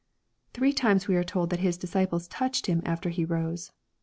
Three times we are told that His disciples touched Him after He rose.